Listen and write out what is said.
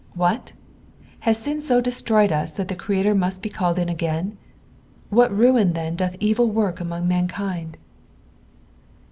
What I has sin so destroyed us, that the Creator must be called in again? What ruin then doth evil work among mankind!